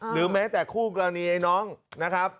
แม้แต่คู่กรณีไอ้น้องนะครับ